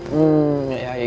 hmm ya ya gitu lah